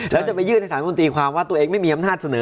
แล้วจะไปยื่นให้สารมนตรีความว่าตัวเองไม่มีอำนาจเสนอ